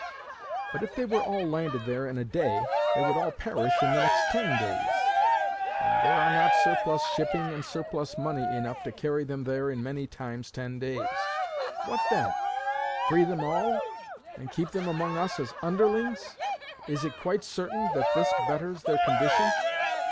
But, if they were all landed there in a day, they would all perish in the next ten days; and there are not surplus shipping and surplus money enough to carry them there in many times ten days. What then? Free them all, and keep them among us as underlings? Is it quite certain that this betters their condition?